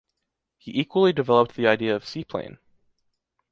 He equally developed the idea of seaplane.